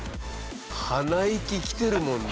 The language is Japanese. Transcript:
鼻息きてるもんな。